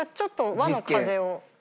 和の風を？